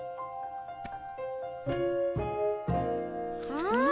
うん。